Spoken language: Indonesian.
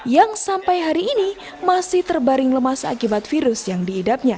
yang sampai hari ini masih terbaring lemas akibat virus yang diidapnya